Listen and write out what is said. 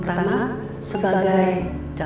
silahkan melakukan cejaman pertama